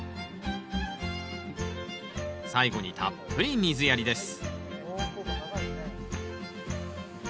最後にたっぷり水やりです